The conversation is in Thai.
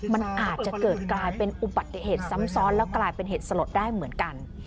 มันอาจจะเกิดกลายเป็นอุบัติเหตุซ้ำซ้อนแล้วกลายเป็นเหตุสลดได้เหมือนกัน